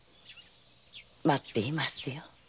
待っていますよ。